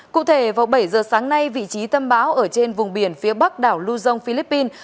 cụ thể vào bảy giờ sáng nay vị trí tâm bão ở trên vùng biển phía bắc đảo luzon philippines